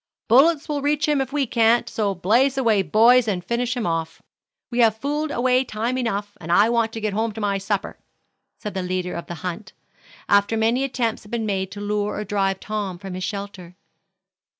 "Bullets will reach him if we can't, so blaze away, boys, and finish him off. We have fooled away time enough, and I want to get home to supper," said the leader of the hunt, after many attempts had been made to lure or drive Tom from his shelter.